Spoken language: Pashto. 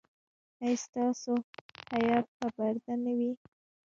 ایا ستاسو حیا به پرده نه وي؟